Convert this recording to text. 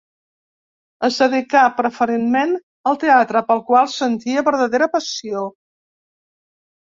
Es dedicà preferentment al teatre, pel qual sentia verdadera passió.